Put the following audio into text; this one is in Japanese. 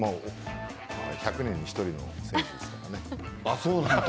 １００年に１人の選手ですからね。